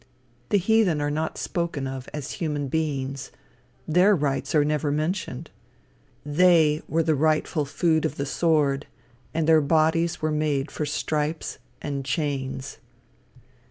The heathen are not spoken of as human beings. Their rights are never mentioned. They were the rightful food of the sword, and their bodies were made for stripes and chains.